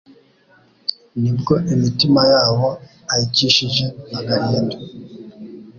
Ni bwo imitima yabo ayicishije agahinda